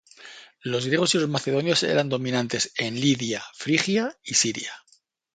Los griegos y los macedonios eran dominantes en Lidia, Frigia y Siria.